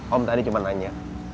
om tadi cuma nanya